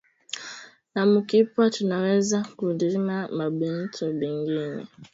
Na mu kipwa tuna weza kurima ma bintu bingine